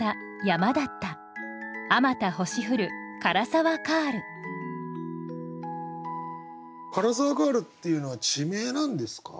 「涸沢カール」っていうのは地名なんですか？